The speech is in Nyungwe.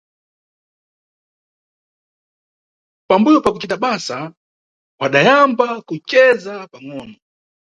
Pambuyo pakucita basa wadayamba kuceza pangʼono.